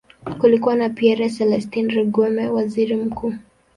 Kulikuwa na Pierre Celestin Rwigema, waziri mkuu.